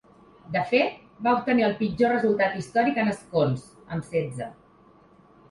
De fet, va obtenir el pitjor resultat històric en escons, amb setze.